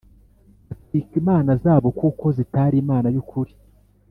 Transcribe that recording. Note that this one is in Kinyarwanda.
batwika imana zabo kuko zitari Imana y’ukuri,